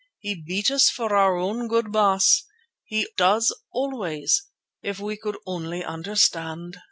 He beat us for our good, Baas, as He does always if we could only understand."